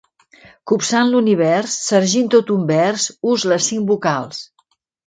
Copsant l'univers, sargint tot un vers, ús les cinc vocals.